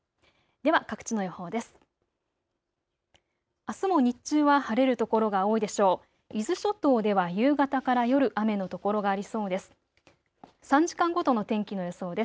では各地の予報です。